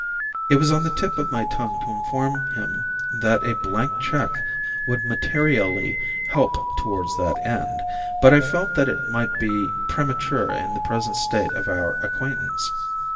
It was on the tip of my tongue to inform him that a blank cheque would materially help towards that end, but I felt that it might be premature in the present state of our acquaintance.